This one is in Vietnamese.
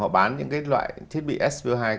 họ bán những cái loại thiết bị s bốn